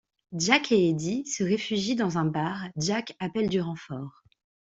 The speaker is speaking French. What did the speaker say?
Jack et Eddie se réfugient dans un bar, Jack appelle du renfort.